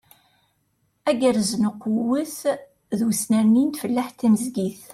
Agerrez n uqewwet d usnerni n tfellaḥt timezgit.